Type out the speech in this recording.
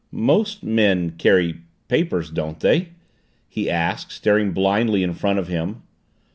"Most men carry papers don't they?" he asked, staring blindly in front of him.